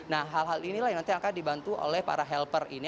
nah hal hal inilah yang nanti akan dibantu oleh para helper ini